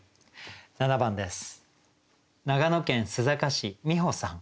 ７番です。